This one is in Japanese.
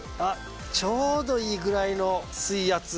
ちょうどいいぐらいの水圧。